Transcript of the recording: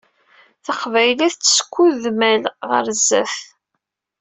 Taqbaylit skudmal ɣer sdat.